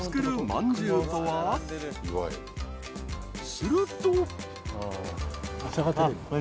［すると］